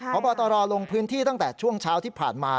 พบตรลงพื้นที่ตั้งแต่ช่วงเช้าที่ผ่านมา